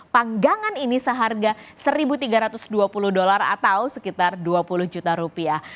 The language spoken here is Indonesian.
panggangan ini seharga satu tiga ratus dua puluh dolar atau sekitar dua puluh juta rupiah